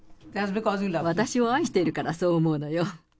私を愛しているからそう思うのよ。